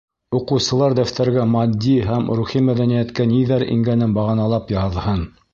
Уҡыусылар дәфтәргә матди һәм рухи мәҙәниәткә ниҙәр ингәнен бағаналап яҙһын.